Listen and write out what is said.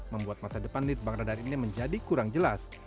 membuat masa depan ritbang radar ini menjadi kurang jelas